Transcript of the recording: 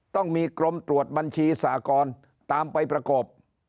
ต้องมีกรมตรวจบัญชีสากรตามไปประกบ